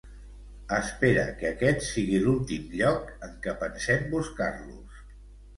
Espera que aquest sigui l'últim lloc en què pensem buscar-los.